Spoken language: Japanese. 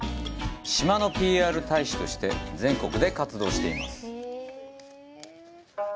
島のＰＲ大使として全国で活動しています。